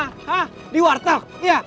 hah di warteg iya